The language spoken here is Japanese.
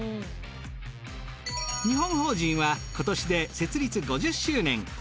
日本法人は今年で設立５０周年。